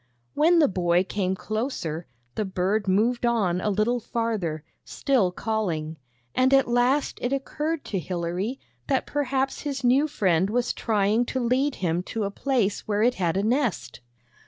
When the boy came closer, the bird moved on a little farther, still calling; and at last it occurred to Hilary that perhaps his new friend was trying to lead him to a place where it had a nest.